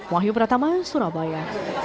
wahyu prataman surabaya